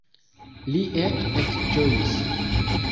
Li eĉ ekĝojis.